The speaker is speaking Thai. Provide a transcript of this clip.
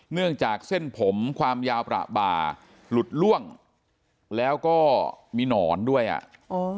เนื่องจากเส้นผมความยาวประบาหลุดล่วงแล้วก็มีหนอนด้วยอ่ะโอ้